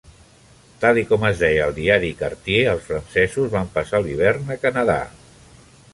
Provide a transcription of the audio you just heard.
Tal i com es deia al diari Cartier, els francesos van passar l"hivern a Canadà.